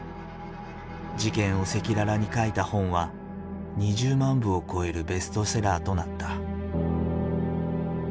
事件を赤裸々に書いた本は２０万部を超えるベストセラーとなった。